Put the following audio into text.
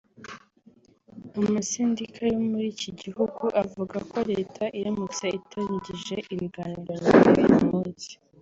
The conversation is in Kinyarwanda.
Amasendika yo muri iki gihugu avuga ko Leta iramutse idatangije ibiganiro nyuma y’ uyu munsi